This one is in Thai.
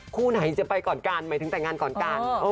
คู่ไหนจะไปก่อนกันหมายถึงแต่งงานก่อนกัน